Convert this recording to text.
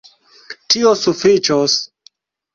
Tio sufiĉos.